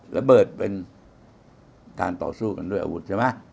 ระเบิดเป็นการต่อสู้กันด้วยอาวุธใช่ไหม